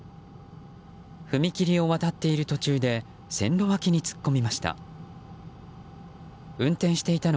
踏切を渡っている途中で線路脇に突っ込みました。